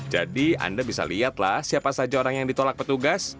jadi anda bisa lihatlah siapa saja orang yang ditolak petugas